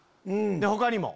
他にも。